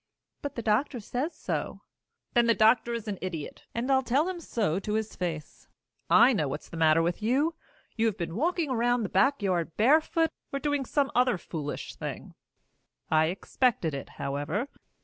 "But the doctor says so." "Then the doctor is an idiot, and I'll tell him so to his face. I know what's the matter with you. You've been walking around the backyard barefoot or doing some other foolish thing. I expected it, however.